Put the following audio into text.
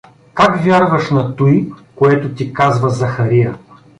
Как вярваш на туй, което ти казва Захария?